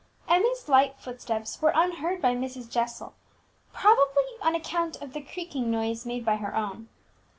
Emmie's light footsteps were unheard by Mrs. Jessel, probably on account of the creaking noise made by her own.